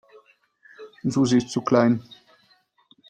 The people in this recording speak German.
Susi ist zu klein.